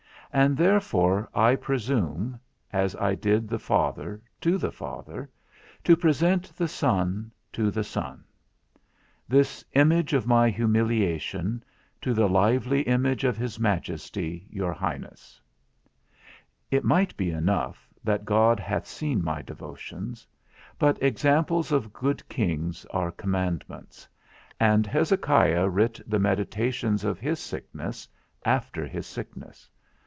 And therefore, I presume (as I did the father, to the Father) to present the son to the Son; this image of my humiliation, to the lively image of his Majesty, your Highness. It might be enough, that God hath seen my devotions: but examples of good kings are commandments; and Hezekiah writ the meditations of his sickness, after his sickness.